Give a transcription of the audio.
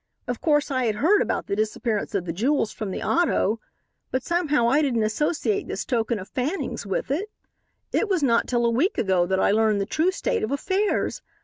Of course I had heard about the disappearance of the jewels from the auto, but somehow I didn't associate this token of Fanning's with it. "It was not till a week ago that I learned the true state of affairs.